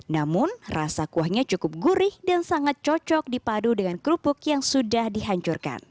namun rasa kuahnya cukup gurih dan sangat cocok dipadu dengan kerupuk yang sudah dihancurkan